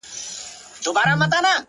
د ښار د ميکدې ترخو اوبو ته انتظار دي!!